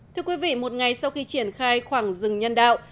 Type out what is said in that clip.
thưa quý vị một ngày sau khi triển khai khoảng rừng nhân đạo